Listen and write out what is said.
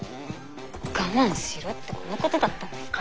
我慢しろってこのことだったんですか。